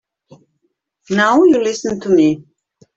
Now you listen to me.